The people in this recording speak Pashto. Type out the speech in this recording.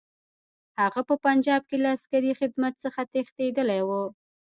هغه په پنجاب کې له عسکري خدمت څخه تښتېدلی وو.